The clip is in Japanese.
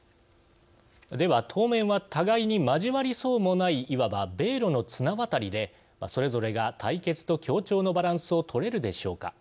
では、当面は互いに交わりそうもないいわば米ロの綱渡りでそれぞれが対決と協調のバランスをとれるでしょうか。